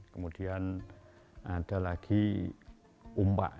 kemudian ada lagi umpak